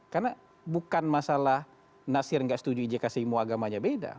karena bukan masalah nadsir gak setuju ijk simo agamanya beda